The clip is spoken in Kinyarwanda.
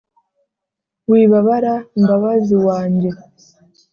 wibabara mbabazi wa njye